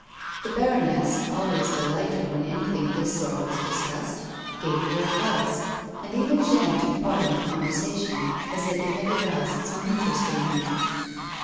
The baroness, always delighted when anything of this sort was discussed, gave her advice, and even Jeanne took part in the conversation, as if it had aroused some interest in her.